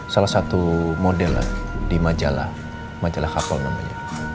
salah satu model lah di majalah majalah kapol namanya